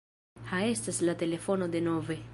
Ha estas la telefono denove.